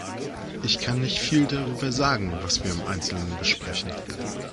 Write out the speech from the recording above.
Ich kann nicht viel darüber sagen, was wir im Einzelnen besprechen.